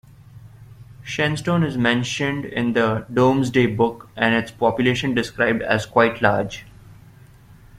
Shenstone is mentioned in the Domesday Book and its population described as quite large.